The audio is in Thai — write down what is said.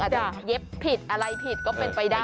จะเย็บผิดอะไรผิดก็เป็นไปได้